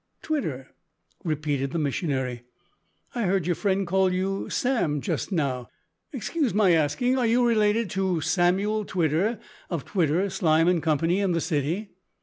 "Twitter," repeated the missionary, "I heard your friend call you Sam just now. Excuse my asking are you related to Samuel Twitter of Twitter, Slime, and Company, in the city?"